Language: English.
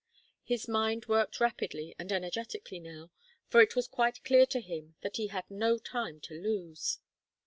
His mind worked rapidly and energetically now, for it was quite clear to him that he had no time to lose.